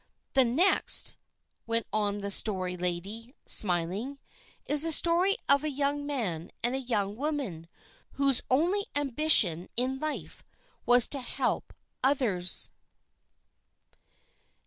"The next," went on the Story Lady, smiling, "is the story of a young man and a young woman whose only ambition in life was to help others."